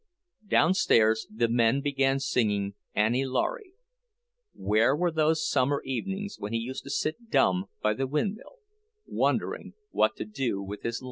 Downstairs the men began singing "Annie Laurie." Where were those summer evenings when he used to sit dumb by the windmill, wondering what to do with his life?